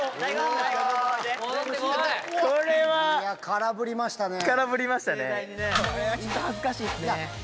空振りましたね。